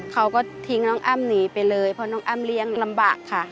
เขาก็ทิ้งน้องอ้ำหนีไปเลยเพราะน้องอ้ำเลี้ยงลำบากค่ะ